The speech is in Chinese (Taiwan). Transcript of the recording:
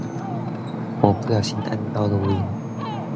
我不小心按到錄音